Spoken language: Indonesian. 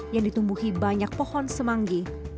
yang ditumbuhi banyak pohon semanggi